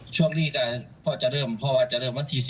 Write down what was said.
ช่วงนี้พ่อจะเริ่มพ่อว่าจะเริ่มวันที่๒